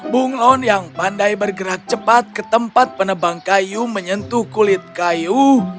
bunglon yang pandai bergerak cepat ke tempat penebang kayu menyentuh kulit kayu